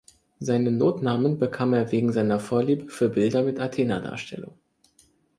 Seinen Notnamen bekam er wegen seiner Vorliebe für Bilder mit Athena-Darstellungen.